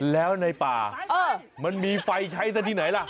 แล้วในป่ามันมีไฟใช้ซะที่ไหนล่ะ